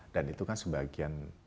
dan itu kan sebagian